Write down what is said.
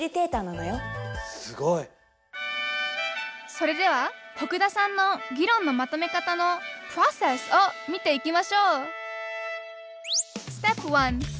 それでは徳田さんの議論のまとめ方のプロセスを見ていきましょう